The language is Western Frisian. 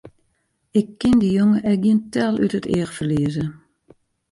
Ik kin dy jonge ek gjin tel út it each ferlieze!